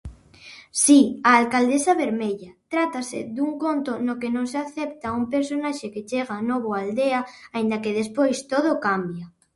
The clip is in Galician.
Si, A alcaldesa vermella. Trátase dun conto no que non se acepta a un personaxe que chegha novo a aldea, aínda que despois todo cambia.